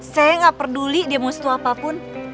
saya gak peduli dia mau setuapapun